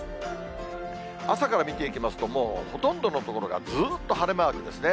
朝から見ていきますと、もうほとんどの所がずっと晴れマークですね。